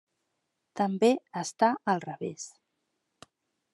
També està al revés.